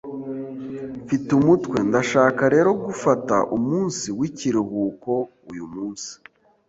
Mfite umutwe, ndashaka rero gufata umunsi w'ikiruhuko uyu munsi.